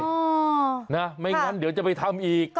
ไม่งั้นเดี๋ยวจะไปทำอีก